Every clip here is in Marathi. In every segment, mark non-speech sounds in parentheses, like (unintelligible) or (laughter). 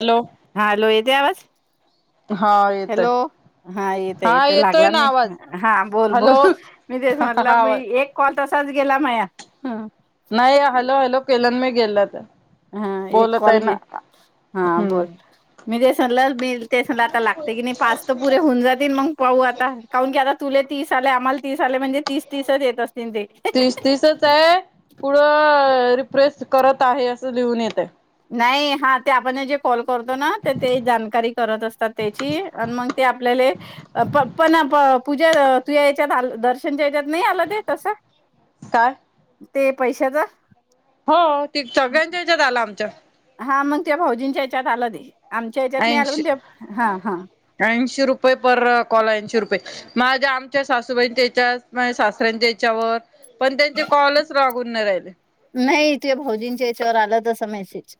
हॅलो हा हॅलो येतोय आवाज? हा. हॅलो येतोय हा येते हा यथं येतोय लागला ना मी आवाज हा बोल हॅलो बोल मी तेच म्हतलब. आवाज एक कॉल तसाच गेला माया. हा नाही हॅलो हॅलो केलन मी गेल तर. हा एक बोलत कॉल आहे ना गेला हा हम्म बोल. मी ते सगलं मी ते सलं आता लागते की नाही पाच तर पुरे होऊन जातील मग पाहू आता काहून की आता तुले तीस आले आम्हाला तीस आले म्हणजे तीस तीसच येत असतील. ते तीस तीसच आहे पुढं रिप्रेस करत आह. असं लिहून येतंय. नाही हा ते आपण हेजे कॉल करतो. ना तते जानकारी करत असतात त्याची आणि मग ते आपले पण. पण पूजा तुझ्या याच्यात दर्शनच्या याच्यात नाही आलं ते तस. काय? ते पैशाच. हो ते सगळ्यांच्या याच्यात आलं आमच्यात हा मग तुझ्या भाऊजींच्या हेच्यात आलं ते. आमच्या ह्याच्यात नाही आलं पण ऐंशी. ते हा हा ऐंशी रुपये पर कॉल ऐंशी रुपये. माझ्या आमच्या सासूबाईंच्या यच्यात, माझ्या सासऱ्यांच्या याच्यावर पण त्यांचे कॉलच लागून नाही राहिले. मॅसेज.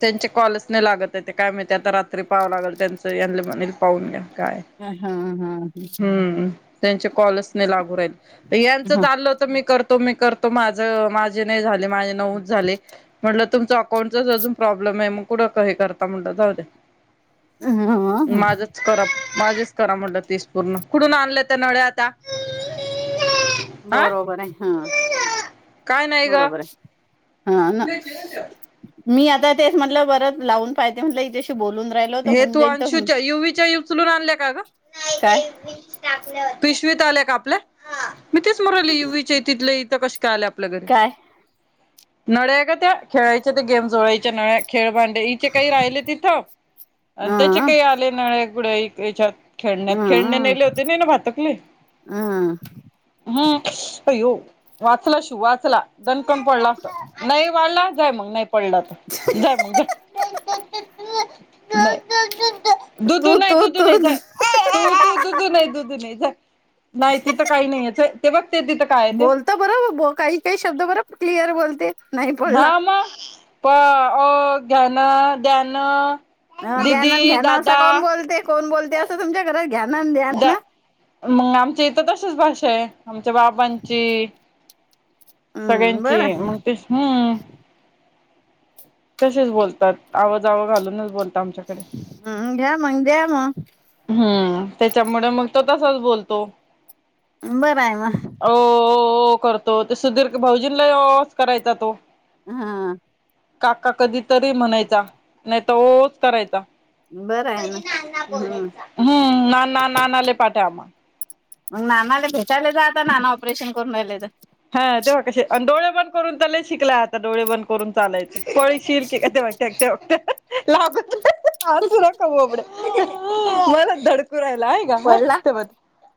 त्यांचे कॉलच नाही लागत आहे ते काय माहिती आता रात्री पाहावं लागल यांना म्हणील पाहून घ्या. काय. हा हा हम. त्याचे कॉलच लागू राहीले याचं ह चाललं होत मी करतो, मी करतो, माझ माझे नाही झाले माझे नव्वद झाले. म्हटलं तुमचं अकाऊंटच आजुन प्रॉब्लेम आहे मग कुठं हे करता म्हलं जाऊ दे माझंच करा माझेच करा म्हटलं तीस पूर्ण. कुठून आणले त्या नळ्या आता? हा बरोबर आहे. ह काय नाही ग बरोबर आहे. ह मी आता तेच म्हटलं परत लावून पाहीते म्हटलं इच्याशी बोलून राहिलो तर हे होऊन तू जाईल तर होऊन अंशूच्या, युवीच्या उचलून आणल्या का ग? काय पिशवीत आल्या का आपल्या मी तेच म्हणू राहिली, युवीच्या तिथलं इथ कशा आल्या आपल्या घरी काय नळ्या का त्या खेळायच्या त्या गेम जोळायच्या नळ्या. खेळबांडे हिचे काही राहिले तिथं आणि त्याचे अ काही आले गाड्यायाच्यात अ खेळण्यात खेळणे नेले होते ना हिने भातुकली. अ ह. अय्यो! वाचला शिव वाचला दणकन पडला असता नाही वळला जाय मग नाही. पडला तर जाय मग जा. दुधू दुधू. तू दुधूनय, तू तू दुधूनय जाई दुधू दुधू दुधुनाय. (inaudible) नाही तिथं काही नाहीये ते बघ. बोलता बरं. काही काही शब्द बर क्लिअर बोलते. नाही हा. पडला म पा ओ घ्याना, दयाना. अ. दयानान घ्याना असा काऊन बोलते कोण बोलते असं तुमच्या घरात? घ्या ना आणि द्या द. ना मग आमच्या इथ तशीच भाषा आहे आमच्या बाबांची हम्म सगळ्यांची बरं मग तेच. हम्म. तसेच बोलतात. आवजाव घालूनच बोलतात आमच्याकडे. घ्याम द्याम. हम्म. त्याच्यामुळे मग तो तसाच बोलतो. बरं आहे म. हो करतो तसा दीर्घ भाऊजीना ही ओ करायचा तो. हा. काका कधी तरी म्हणायचा, नाही तर ओ च करायचा. बरं आहे ना. ह. हम. ना ना ना लय पाट आहे आम्हा. मग नानाला भेटायला जा नाना ऑपरेशन करून राहिलेत. हा तेव्हा कसे अन डोळे बंद करून तर लय शिकलाय, आता डोळे बंद करून चालायचे. पळशील ते ते बघ ते बघ (inaudible) हसू नको बबड्या. मला धडकू राहिला आहे का बघ पडला ते बघ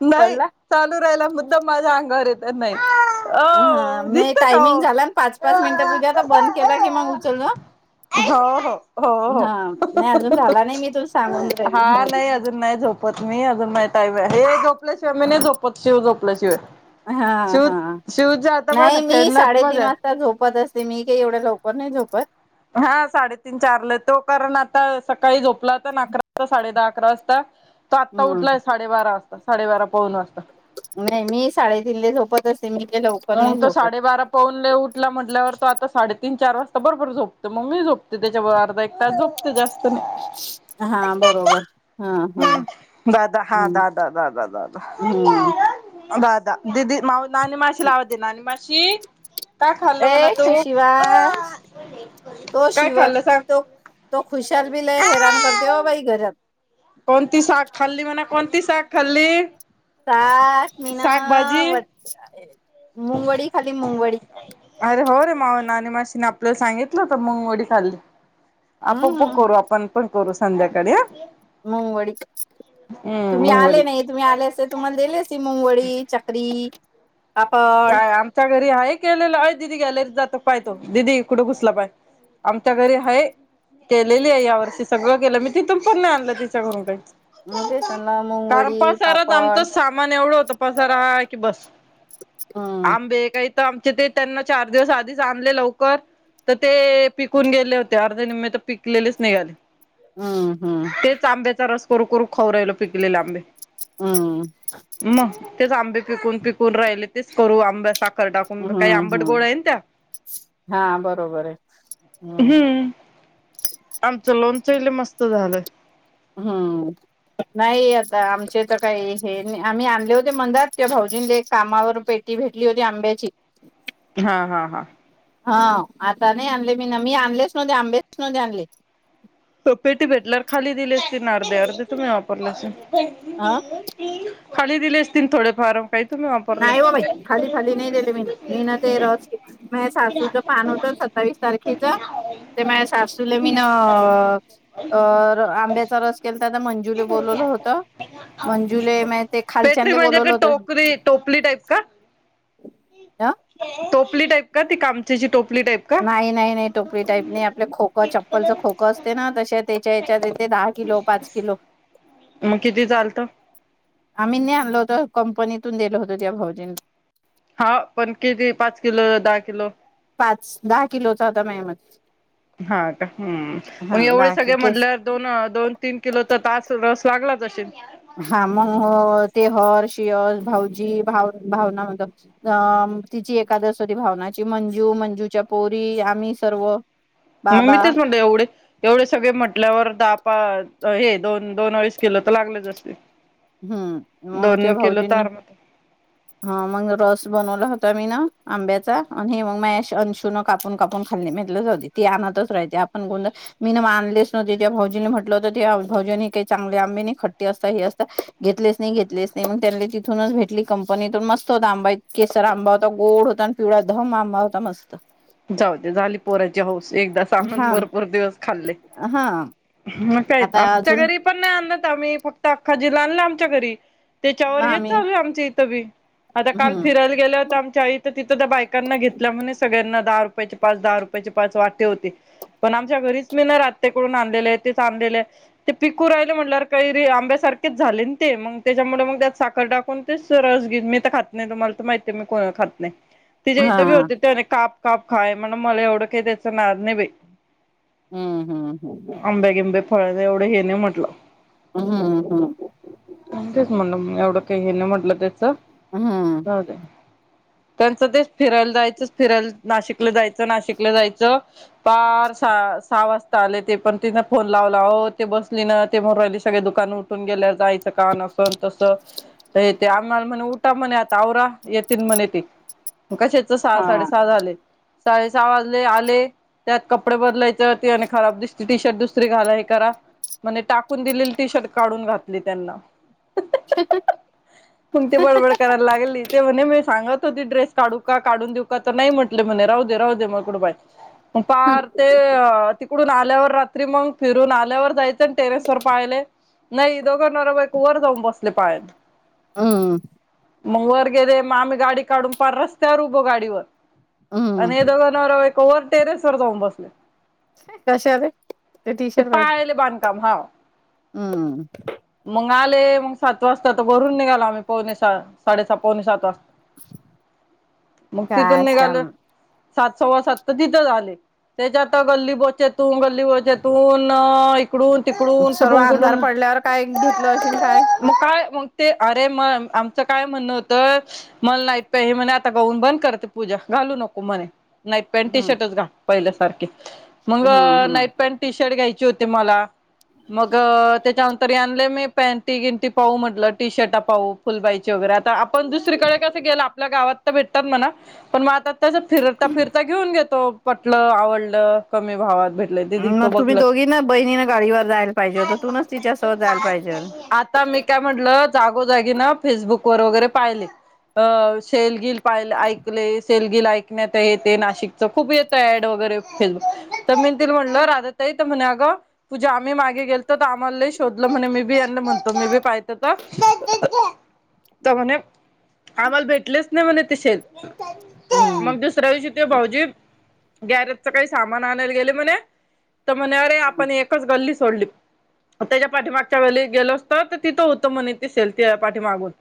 नाही पडला चालू राहिला एकदम माझ्या अंगावर येतोय नाही. हा. ओ मी दिसत का टायमिंग हो झाला ना पाच, पाच मिनिटं पुजा आता बंद केला की मग उचललं ह. हो हो हो हो. अहं नाही अजून अहं. झाला नाही मी तुला सांगून हा राहिली नाही अजून नाही झोप. झोपत मी अजून माही टाई हे झोपल्याशिवाय मी नाही झोपत शिव झोपल्याशिवाय. हा शिव हा. शिवच्या आता बघ ना नाही मी खेळण्यात साडेतीन मजा आहे वाजता झोपत असते. मी काही एवढ्या लवकर नाही झोपत. हा साडेतीन, चारला तो कारण आता सकाळी झोपला तर नाकरा, साडे दहा अकरा वाजता तो आता हम्म उठलाय साडेबारा वाजता, साडेबारा पाऊन वाजता. नाही मी साडेतीनले झोपतच मग तो साडेबारा पाहून उठला म्हटल्यावर तो आता साडेतीन, चार वाजता बरोबर झोपतो, मग मी झोपते त्याच्यावर अर्धा, एक तास झोपते जास्त नाही. हा बरोबर. हा हा हम्म. दादा हा हम्म दादा दादा दादा. हम्म दादा, दिदी, माऊ, नाणी माशी लावते नाणी माशी. काय खल्लं म्हणा ए तू खुशीवास तो काय शिव खाल्लं सांग तो तो खुशहाल भी लय हैरान करते हो भाई घरात. कोणती शक खाल्ली म्हणा कोणती शख खाल्ली. सास मीना साग भाजी वट मुंगवळी खाली मुंगवळी. मा ना आणि माशीने आपल्याला सांगितलं तर मंगवडी खाल्ली आपप हम्म करू आपण पण करू संध्याकाळी हा. म वडी हम्म तुम्ही आले मुंगवडी. नाही, तुम्ही आले अस तुम्हाला दिलेसी मुंगवडी, चकरी. तापलं. हा केलेलं आहेय दीदी गॅलरीत जात पाय तो दीदी कुठं घुसला पाय? आमच्या घरी आहेय केलेली आहे यावर्षी सगळं केलं मी तिथून पण नाही आणलं तिच्याकडून काही. ते सला कारण मुंगवडी पसारात आमचं पापड सामान एवढं होत पसारा की बस. हम्म आंबे काही तर आमचे ते त्यांना चार दिवस आधीच आणले लवकर. तर ते पिकून गेले होते अर्धे निम्मे तर पिकलेलेच निघाले. हम्म हम्म. तेच आंब्याचा रस करू करू खाव राहिल पिकलेले आंबे. हम्म मग तेच आंबे पिकून पिकुून्रल् तस करोरो अंबे साक कर्डाकुं काही हम्म आंबड हम्म गोळ आहे ना त्या हा बरोबर आहे. हम्म आमचं लोनचल मस्त झालंय हम्म नाही आता आमचे तर काही हे आम्ही आणले होते मंदात क भाऊ अज एक कामावर पेटी भेटली होती आंब्याची हा हा हा हा आता नाही आणले मी ना मी आणलेच नव्हते आंबेच नव आणले त पेटी भेटल्यावर खाली दिली असती ना अर्धे अर्धे तुम्ही वापरला अस ह खाली दिलेस तन थोडेफार काही तुम्ही वापरले. नाही हो बाई खाली खाली नाही दिले मीन मीन ते रस म सासूच पान होत सत्तावीस तारखेच सुले मीन अ आंब्याचा रस केला तर आता मंजूले बोलवलं होत पेटरी म्हणजे बोलवलं होतं टोकरी टोक टाईप का ह टोपली टाईप का ती कामची टोपली टाईप का? नाही नाही नाही टोपली टाईप नाही आपलं खोकं चप्पलचं खोकं असते ना त त्याच्या याच्यात येते दहा किलो पाच किलो मग किती चालत आम्ही न आणलो होत कंपनीतून दिलो होतो त्या भाऊजीन हा पण किती पाच किलो दहा किलो पाच दहा किलोचा होता म मध्ये हा का हम् मग एवढे किलो सगळे केस म्हटल्या दोन दोन तीन किलो तर तास रस लागलाच असेल हा मंग तेहर शिअस भाऊजी भाव भावना हो अ तिची एकादशीवररी भावनाची मंजू मंजूच्या पोरी आम्ही सर्व मग मी बाबा तेच म्हणत एवढे एवढे सगळे म्हटल्यावर दा हे दोन दोन वडीस किलो तर लागलेच असते हम्म मग त्या भाऊजींना हा मग रस बनवला हो मी न आंब्याचा आणि मग म अंशु न कापून कापून खाल् म्हटलेच होती ती आणतच राहते ण गो मी मानलेच नव्हते ज भौजनी म्हटलं होतं ते भजन ही काही चांगले आंबी ह खट्टी अस अस घेतलेच नाही घेतलेच नाही त्यानी तिथूनच भेटली कंपनीतून मस्त होता आंबा केसर आंबा होता गोड होता आणि पिवळ्या दध मामा होता मस्त जाऊते झाली पोराची हौस एकदा स आणून हा भरपूर दिवस खाल्ले हा मग काही आता आमच्या अजून घरी पण नाही आणलत आम्ही फक्त अख्खा जीला आणलं आमच्या घरी त्याच्यावर ना हेच आम्ही चालू आहे आमच इथं बी आता काल हम्म फिरायला गे होत आमच्या आईथ तिथं तर बायकांना घेतल्या म्हण सगळ्यांना दहा रुपयाचे पाच दहा रुपयाचे पाच वाटे होते पण आमच्या घरीच मी नाही राहततेकडून आणलेले तेच आणलेलं आहे ते पिकू राहिले म्हट काही र आंब्या सारेच झाले ते मग त्याच्यामुळे मग त्यात साखर टाकून तेच रस घ मी तर खात नाही तुम्हाला तर माहितीय मी को खातणे ति जे हा इथं बी होते ते काप काप खाय म्हण मला एवढं काही त्यायचं नाही नाही बा हम्म हम्म हम्म फळलं एवढं हे नाही म्हटलं ह हा ह हा च म्हणलं एवढं काही हे ना म्हटलं त्याच हम्म त्यांचं ते फिरायला जायचंच फिरायला नाशिकला जायचं नाशिकला जायचं फार सहा सहा वाजता आले ते पण तिन फोन ला ते बसली ना ते भर राहि सगळे दुकान उठून गेल्या जायचं का नसन तस य ते आम्हाला म्ह उठा म्हण आ आवरा येतील म्हण ये त कशाच सहा हा साडेसहा झाले साडे सहा वाजले आले त्यात कपडे बदलाय आणि खराब दिसती टी शर्टुस द्री घाला हे करा म्हण टाकून दिलेली टी शर्ट काढून घातली त्यांना तणती बडबड करायला लागली ते म्हणे मी सांगत त ड्रेस काढू काढून देऊ का तर नाही म्हटले म्हणे राहू दे राह दे मगकड बा ग पार ते तिकडून आल्यावर रात्री मग फिरून आल्यावर जाय टेरेस वर पाहिले नाही दो करणार बा एक वर जाऊन बसले पायन हम्म मग वर गेले मग आम्ही गाडी काढून पार रस्त्यावर उभो गाडीवर हम्म आणि दोघांना कवर टेरेस वर जाऊन बसले कश आले ते टी शर्ट पाज कमव हम्म आले मग सात वाजता तर भरून निघालो आम्ही पवणे सा साडेसहा पवणे सात वाजता मग तिथून कायच निघाल काम सात सव्वा सात तर तिथं झा आले त्याच्या आता गल्ली बोचे तू गल्ली बोचेेतून तिकडून तिकडून सर्व कुठून अंधार कुठून पडल्यावर काय घेतलं असेल काय मग काय ते अरे मग आमचं काय म्हणणं होतं मन नाही प हे म्हणे आता गवून बंद करते पूजा घालू नको णे नाईट पँ्ट टी हम्म शर्टच घा पहिल्यासारखे मग हम्म हम्म नाईट पॅन्ट टी शर्ट घ्यायची होते मला मग त्याच्यानंतर आणले मी पॅनटी गिंटी पाहू म्हटलं टी शर्ट पाहू फुलबाईच्या व आपण दुसरीकडे कस गेल आपल्या गावात तर भेटतात म्हणा पण मग आता त्याच फिरता फिरता घेऊन घेतो पटलं, आवडलं, कमी भावात भेटलं ते तो मग तुम्ही बघलं दोघी ना बहिणीनं गाडीवर जायला पाहिजे तुूनच तिच्यासोत जायला पाहिजे आता मी काय म्हटलं, जागोजागी ना फेसबुक वगैरे पाहिले सेलगील पाहीले ऐकले सेल ऐकण्यात येते नाशिकच खुप येतय ॲड वगैरे फेस बुक तर मी तिला म्हणलं राधाताई म्ह अगं पूजा आम्ही मागे गेलो तर आम्हाला लय शोधलं म्हणे मी बी यांना म्हणतो मी बी पाहतो तर (unintelligible) तर म्हणे आम्हाला भेटलेच नाही म्हणे ते सेल हम्म मग दुसऱ्या दिवशी ते भाऊजी गॅरेजचा काही सामान आणायला गेले म्हणे तर म्हणे अरे आपण एकच गल्ली सोडली त्याच्या पाठीमागच्या गल्लीत गेलो असतं तर तिथं होतं म्हणे ते सेल त्या पाठीमागून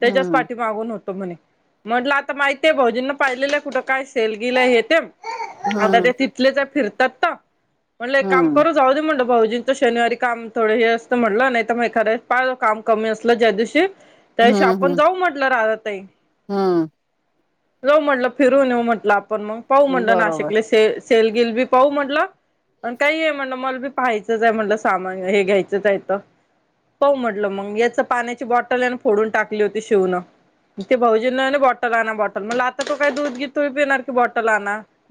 त्याच्याच हम्म पाठी मागून होतो म्हणे म्हटलं आता माहितीय भाऊजींना पाहिलेलं कुठं काय सेलगील हे ते आता हम्म ते तिथलेचय फिरतात तर म्हणलं एक काम हम्म करू जाऊ दे म्हणंल भाऊजींचं शनिवारी काम थोडें हे असतं म्हटलं नाही तर मग एखादे पाही काम कमी असलं ज्या दिवशी त्याविशी आपण जाऊ म्हटलं राधाताई हमं जाऊ म्हटलं फिरून येऊ म्हटलं आपण मग पाहू म्हटलं बरोबर नाशिकले से सेलगिल बी पाहू म्हटलं काही आहे म्हणलं मला बी पाहायचंच आहे म्हणलं सामान हे घ्यायचंच आहे तर पाहू म्हटलं मग याच पाण्याची बॉटल या फोडून टाकली होती शिवणं ते बहुजनने बॉटल आणा बॉटल म्हणल आता तो काय दूध घित तो पिणार की बॉटल आणा